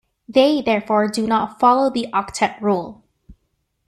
They therefore do not follow the octet rule.